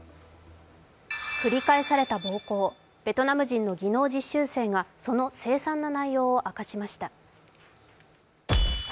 繰り返された暴行ベトナム人の技能実習生がその凄惨な内容を明かしました。